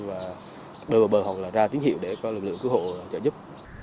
và bơi vào bờ hoặc ra tín hiệu để có lực lượng cứu hộ trợ giúp